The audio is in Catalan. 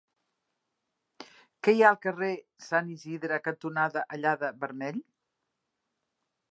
Què hi ha al carrer Sant Isidre cantonada Allada-Vermell?